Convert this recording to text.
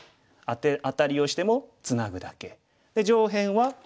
アタリをしてもツナぐだけ。で上辺は。